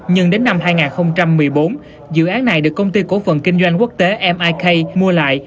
nhưng đến năm hai nghìn một mươi bốn dự án này được công ty cổ phần kinh doanh quốc tế mik mua lại